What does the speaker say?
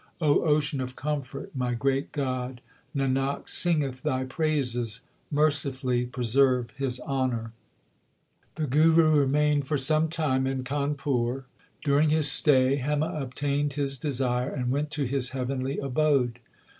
O ocean of comfort, my great God, Nanak singeth Thy praises, mercifully preserve his honour. 2 The Guru remained for some time in Khanpur. During his stay Hema obtained his desire, and went to his heavenly abode.